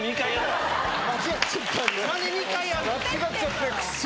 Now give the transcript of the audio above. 間違っちゃってクソ！